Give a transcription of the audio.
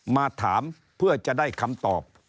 มาถามเพื่อจะได้คำตอบ